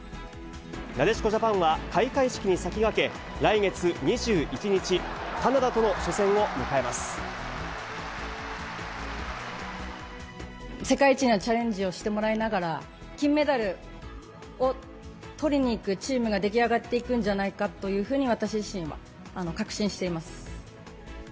なでしこジャパンは開会式に先駆け、来月２１日、カナダとの初戦世界一になるチャレンジをしてもらいながら、金メダルをとりにいくチームが出来上がっていくんじゃないかというふうに、私自身は確信しています。